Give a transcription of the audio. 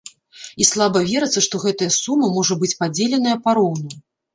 І слаба верыцца, што гэтая сума можа быць падзеленая пароўну.